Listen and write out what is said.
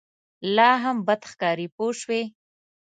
لا هم بد ښکاري پوه شوې!.